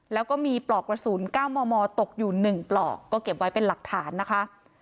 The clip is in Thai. แล้วก็มีปลอกกระสุน๙มมตกอยู่๑ปลอกก็เก็บไว้เป็นหลักฐานนะคะ